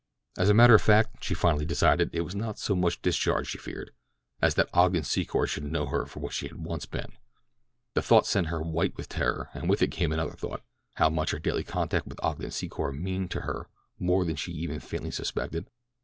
As a matter of fact, she finally decided, it was not so much discharge she feared, as that Ogden Secor should know her for what she once had been. The thought sent her white with terror, and with it came another thought—how much did her daily contact with Ogden Secor mean to her more than she had even faintly suspected?